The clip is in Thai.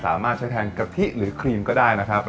สามารถใช้แทนกะทิหรือครีมก็ได้นะครับ